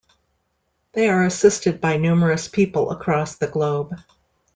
They are assisted by numerous people across the globe.